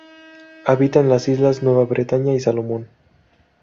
Habita en las islas Nueva Bretaña y Salomón.